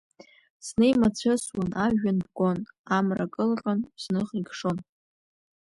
Зны имацәысуан, ажәҩан бгон, Амра кылҟьон, зных икшон.